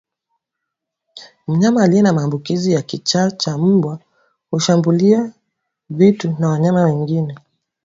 Mnyama aliye na maambukizi ya kichaa cha mbwa hushambulia vitu na wanyama wengine